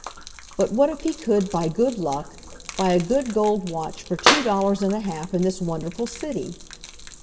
But what if he could, by good luck, buy a good gold watch for two dollars and a half in this wonderful city!